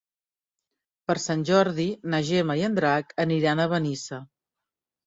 Per Sant Jordi na Gemma i en Drac aniran a Benissa.